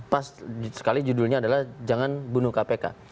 pas sekali judulnya adalah jangan bunuh kpk